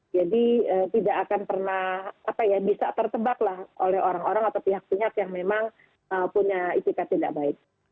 jadi tidak akan pernah apa ya bisa tertebak lah oleh orang orang atau pihak pihak yang memang punya itikat tidak baik